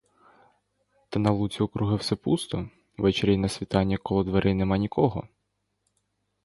Та на луці округи все пусто ввечері й на світанні коло дверей нема нікого.